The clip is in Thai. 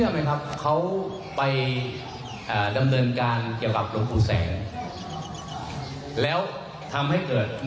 มีทนาย๓๓๗คนทบ๗๗จังหวัด